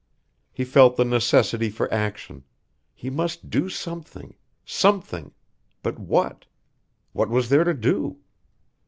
He felt the necessity for action. He must do something something, but what? What was there to do?